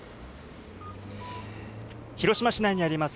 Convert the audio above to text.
広島市内にあります